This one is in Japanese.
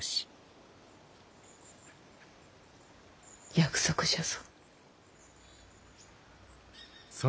約束じゃぞ。